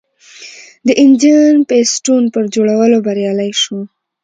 د انجن پېسټون پر جوړولو بریالی شو.